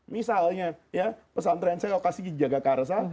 misalnya pesantren saya di lokasi jagakarsa